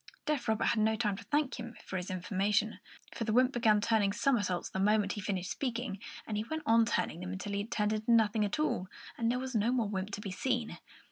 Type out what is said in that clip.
Deaf Robert had no time to thank him for his information, for the wymp began turning somersaults the moment he had finished speaking, and he went on turning them until he turned into nothing at all, and there was no more wymp to be seen.